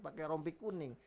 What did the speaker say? pake rompi kuning